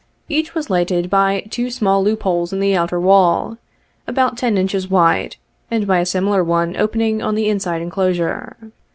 Each was lighted by two small loop holes in the outer wall, about ten inches wide, and by a similar one opening on the inside enclosure.